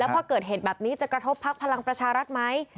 พอเกิดเหตุแบบนี้จะกระทบพักพลังประชารัฐไหม